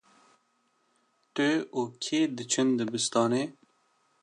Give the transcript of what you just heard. Tu û kî diçin dibistanê?